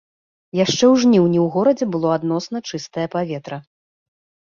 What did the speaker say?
Яшчэ ў жніўні ў горадзе было адносна чыстае паветра.